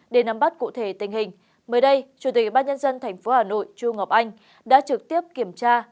để nắm bắt cụ thể tình hình mới đây chủ tịch bác nhân dân tp hà nội chu ngọc anh đã trực tiếp kiểm tra